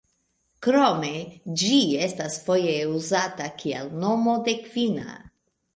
Krome ĝi estas foje uzata kiel nomo de kvina.